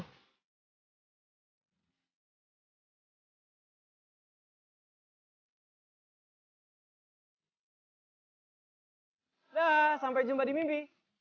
nah sampai jumpa di mimpi